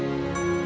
gak habis pikir tuh